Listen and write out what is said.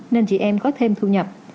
nên chị em có thêm thu nhập